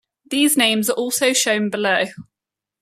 These names are also shown below.